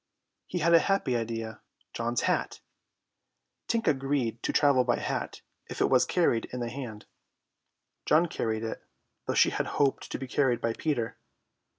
He had a happy idea. John's hat! Tink agreed to travel by hat if it was carried in the hand. John carried it, though she had hoped to be carried by Peter.